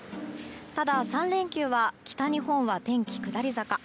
ただ、３連休は北日本は天気下り坂。